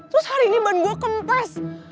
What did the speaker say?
terus hari ini ban gue kempes